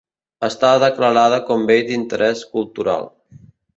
Està declarada com Bé d'Interés Cultural.